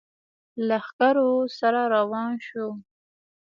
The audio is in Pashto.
لښکرو سره روان شو.